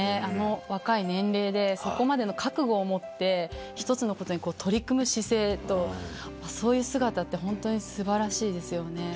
あの若い年齢で、そこまでの覚悟を持って、一つのことに取り組む姿勢と、そういう姿って、本当にすばらしいですよね。